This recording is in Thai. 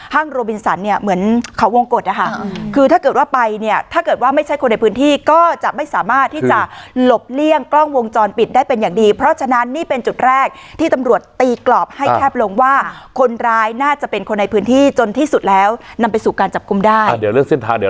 โรบินสันเนี่ยเหมือนเขาวงกฎนะคะคือถ้าเกิดว่าไปเนี่ยถ้าเกิดว่าไม่ใช่คนในพื้นที่ก็จะไม่สามารถที่จะหลบเลี่ยงกล้องวงจรปิดได้เป็นอย่างดีเพราะฉะนั้นนี่เป็นจุดแรกที่ตำรวจตีกรอบให้แคบลงว่าคนร้ายน่าจะเป็นคนในพื้นที่จนที่สุดแล้วนำไปสู่การจับกลุ่มได้เดี๋ยวเรื่องเส้นทางเดี๋ยว